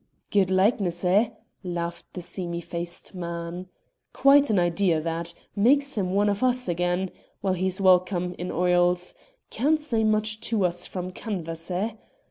"Good likeness, eh?" laughed the seamy faced man. "Quite an idea, that! Makes him one of us again! Well, he's welcome in oils. Can't say much to us from canvas, eh?"